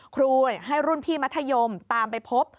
ครูให้รุ่นพี่มัธยมตามไปพบ